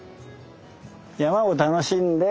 山を楽しんで。